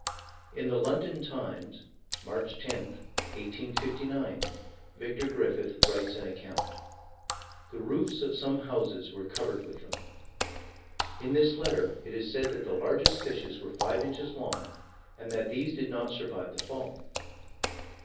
In the London Times, March 10, 1859, Vicar Griffith writes an account: "The roofs of some houses were covered with them." In this letter it is said that the largest fishes were five inches long, and that these did not survive the fall.